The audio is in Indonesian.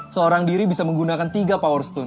seorang diri bisa menggunakan tiga power stone